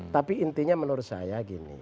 tapi intinya menurut saya gini